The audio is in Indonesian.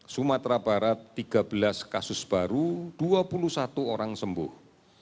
sumatera barat tiga belas kasus baru dua puluh satu orang sembuh